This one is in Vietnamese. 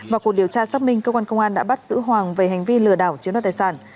vào cuộc điều tra xác minh cơ quan công an đã bắt giữ hoàng về hành vi lừa đảo chiếm đoạt tài sản